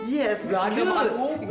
yes enggak ada makan ubi